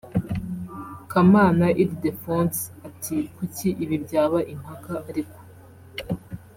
Kamana Ildephonse ati “Kuki ibi byaba impaka ariko